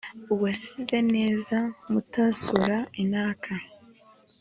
uwasize neza mutasura intaka.